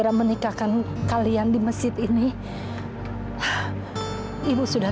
sampai jumpa di video selanjutnya